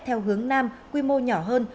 theo hướng nam quy mô nhỏ hơn